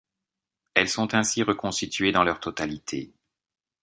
Elles sont ainsi reconstituées dans leur totalité.